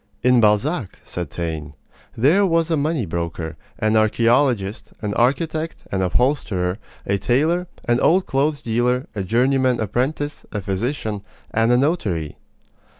"In Balzac," said Taine, "there was a money broker, an archeologist, an architect, an upholsterer, a tailor, an old clothes dealer, a journeyman apprentice, a physician, and a notary."